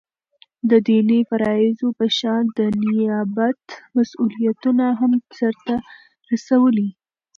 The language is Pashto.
دديني فرائضو په شان دنيابت مسؤليتونه هم سرته رسوي ولي